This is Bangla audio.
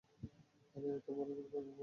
আরে, এটা সে ভালোভাবে করবে, তাই না?